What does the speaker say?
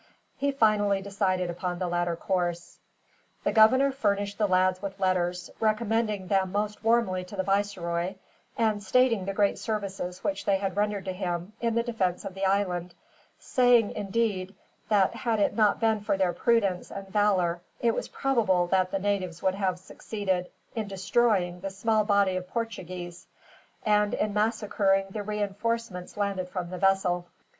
He finally decided upon the latter course. The governor furnished the lads with letters, recommending them most warmly to the viceroy, and stating the great services which they had rendered to him in the defense of the island; saying, indeed, that had it not been for their prudence, and valor, it was probable that the natives would have succeeded in destroying the small body of Portuguese, and in massacring the reinforcements landed from the vessel.